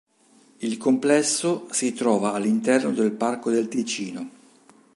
Il complesso si trova all'interno del Parco del Ticino.